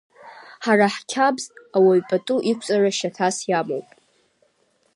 Ҳара ҳқьабз, ауаҩ пату иқәҵара шьаҭас иамоуп.